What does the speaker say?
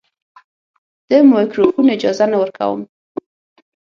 زه د مایکروفون اجازه ورکوم.